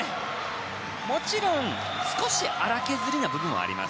もちろん少し粗削りな部分はあります。